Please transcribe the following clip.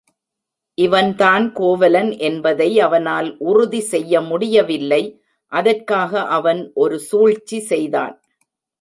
இவன்தான் கோவலன் என்பதை அவனால் உறுதி செய்ய முடியவில்லை அதற்காக அவன் ஒரு சூழ்ச்சி செய்தான்.